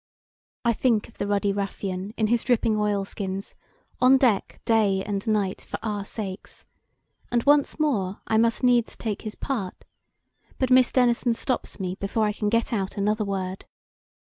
I think of the ruddy ruffian in his dripping oilskins, on deck day and night for our sakes, and once more I must needs take his part; but Miss Denison stops me before I can get out another word.